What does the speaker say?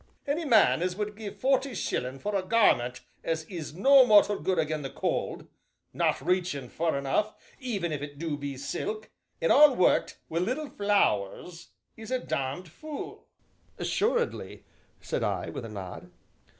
"Any man as would give forty shillin' for a garment as is no mortal good agen the cold not reachin' fur enough, even if it do be silk, an' all worked wi' little flowers is a dommed fool! " "Assuredly!" said I, with a nod.